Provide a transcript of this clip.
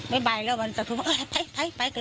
ไม่ไปแล้วแบบนั่นตัวน์ทุรมานเรื้อไปกัน